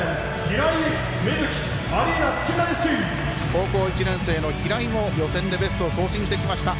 高校１年生の平井も予選でベストを更新してきました。